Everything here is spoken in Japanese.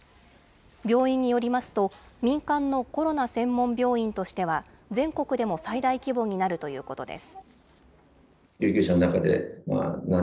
病院によりますと、民間のコロナ専門病院としては、全国でも最大規模になるということです。